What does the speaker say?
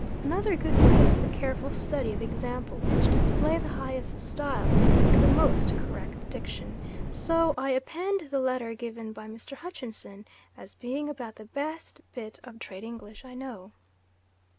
Another good way is the careful study of examples which display the highest style and the most correct diction; so I append the letter given by Mr. Hutchinson as being about the best bit of trade English I know.